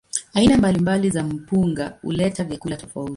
Aina mbalimbali za mpunga huleta vyakula tofauti.